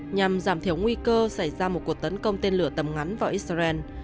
nhằm giảm thiểu nguy cơ xảy ra một cuộc tấn công tên lửa tầm ngắn vào israel